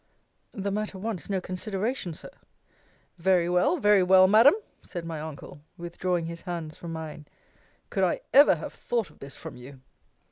The matter wants no consideration, Sir. Very well, very well, Madam! said my uncle, withdrawing his hands from mine: Could I ever have thought of this from you?